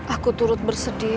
aku turut bersedih